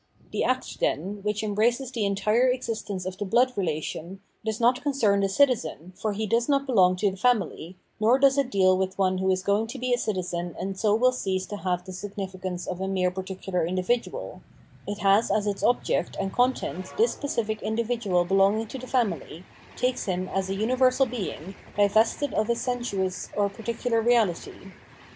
The act, then, which embraces the entire existence of the blood rela tion, does not concern the citizen, for he does not belong to the family, nor does it deal with one who is going to be a citizen and so will cease to have the significance of a mere particular individual : it has as its object and content this specific individual belonging to the family, The Ethical World 445 takes iim as a universal being, divested of bis sensuous, or particular reabty.